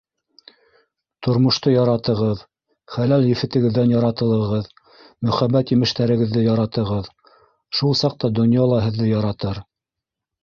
Тормошто яратығыҙ, хәләл ефетегеҙҙән яратылығыҙ, мөхәббәт емештәрегеҙҙе яратығыҙ, шул саҡта донъя ла һеҙҙе яратыр